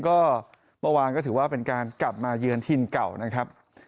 ก็เมื่อวานก็ถือว่าเป็นการกลับมาเยือนทีมเก่านะครับ